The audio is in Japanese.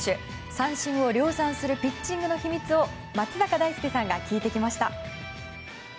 三振を量産するピッチングの秘密を松坂大輔さんが聞いてきました。